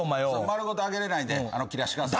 丸ごと揚げれないんで切らせてください。